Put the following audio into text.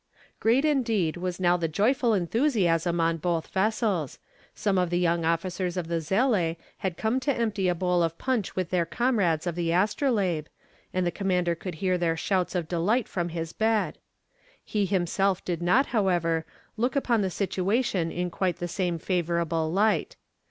Great indeed was now the joyful enthusiasm on both vessels. Some of the young officers of the Zelée had come to empty a bowl of punch with their comrades of the Astrolabe, and the commander could hear their shouts of delight from his bed. He himself did not, however, look upon the situation in quite the same favourable light.